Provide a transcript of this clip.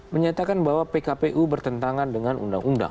menyatakan bahwa pkpu bertentangan dengan undang undang